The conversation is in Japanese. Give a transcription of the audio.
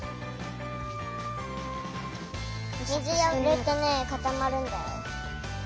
水をいれるとねかたまるんだよ。